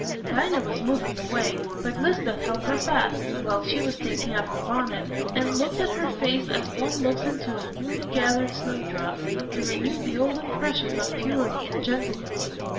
Dinah was moving away, but Lisbeth held her fast, while she was taking off her bonnet, and looked at her face as one looks into a newly gathered snowdrop, to renew the old impressions of purity and gentleness.